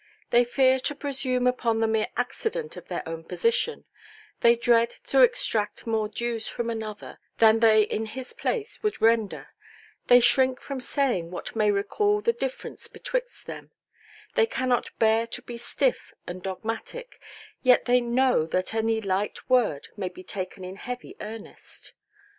They fear to presume upon the mere accident of their own position, they dread to extract more dues from another than they in his place would render, they shrink from saying what may recall the difference betwixt them, they cannot bear to be stiff and dogmatic, yet they know that any light word may be taken in heavy earnest.